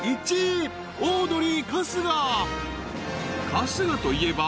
［春日といえば］